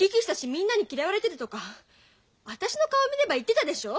みんなに嫌われてるとか私の顔を見れば言ってたでしょ。